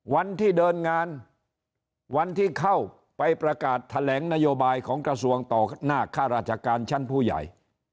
วันที่เดินงานวันที่เข้าไปประกาศแถลงนโยบายของกระทรวงต่อหน้าค่าราชการชั้นผู้ใหญ่